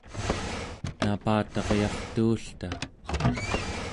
napataryartuulta